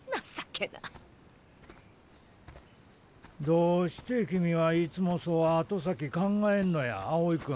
どうして君はいつもそう後先考えんのや青井君。